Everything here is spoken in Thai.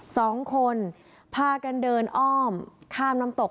สองคนพากันเดินอ้อมข้ามน้ำตก